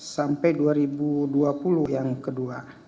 sampai dua ribu dua puluh yang kedua